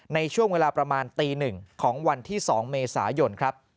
ในช่วงเวลาประมาณตี๑ของวันที่๒เมษายนครับ